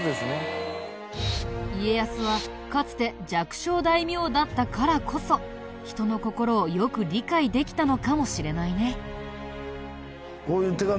家康はかつて弱小大名だったからこそ人の心をよく理解できたのかもしれないね。